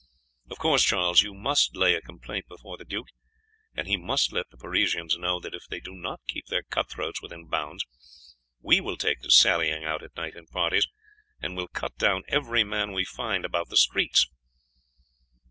Of course, Charles, you must lay a complaint before the duke, and he must let the Parisians know that if they do not keep their cut throats within bounds we will take to sallying out at night in parties and will cut down every man we find about the streets."